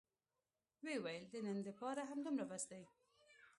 ويې ويل د نن دپاره همدومره بس دى.